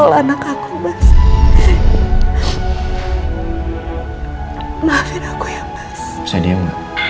maafin aku ya bisa diam